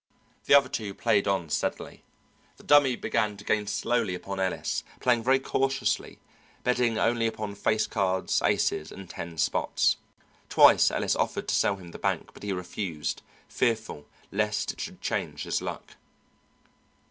The other two played on steadily. The Dummy began to gain slowly upon Ellis, playing very cautiously, betting only upon face cards, aces, and ten spots. Twice Ellis offered to sell him the bank, but he refused, fearful lest it should change his luck.